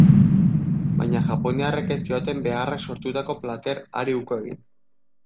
Baina japoniarrek ez zioten beharrak sortutako plater hari uko egin.